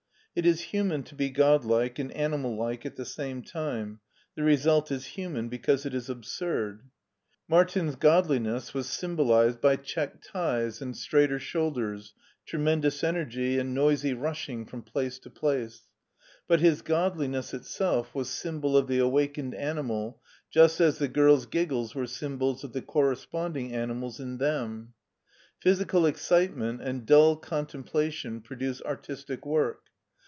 It is human to be godlike and animal like at the same time; the result is human because it is absurd. Martin's godli 40 HEIDELBERG 41 ness was symbolized by check ties and straighter shoulders, tremendous energy and noisy rushing from place to place; but his godliness itself was symbol of the awakened animal just as the girls' giggles were symbols of the corresponding animals in them. Phy sical excitement and dull contemplation produce artistic work.